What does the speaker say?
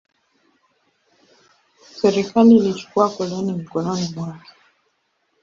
Serikali ilichukua koloni mikononi mwake.